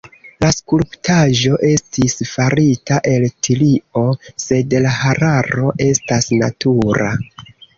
La skulptaĵo estis farita el tilio, sed la hararo estas natura.